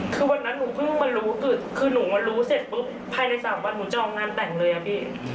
คือวันนั้นหนูเพิ่งมารู้คือหนูมารู้เสร็จปุ๊บภายใน๓วันหนูจะออกงานแต่งเลยอะพี่